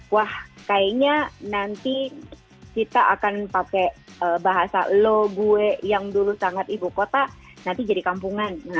wah kayaknya nanti kita akan pakai bahasa lo guee yang dulu sangat ibu kota nanti jadi kampungan